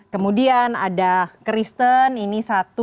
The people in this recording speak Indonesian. kemudian ada kristen ini satu sembilan